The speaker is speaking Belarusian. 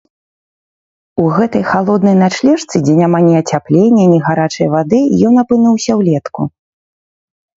У гэтай халоднай начлежцы, дзе няма ні ацяплення, ні гарачай вады, ён апынуўся ўлетку.